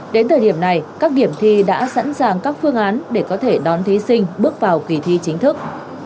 đến thời điểm này các điểm thi đã sẵn sàng các phương án để có thể đón thí sinh bước vào kỳ thi chính thức